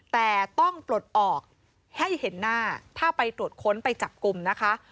แต่ต้องปลดออกให้เห็นหน้าถ้าไปตรวจค้นไปจับกลุ่มนะคะ